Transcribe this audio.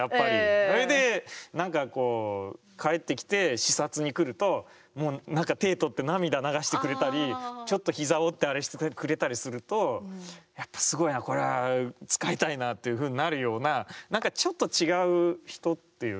それで何かこう帰ってきて視察に来るともう何か手取って涙流してくれたりちょっと膝を折ってあれしてくれたりするとやっぱすごいなこれは仕えたいなっていうふうになるような何かちょっと違う人っていう。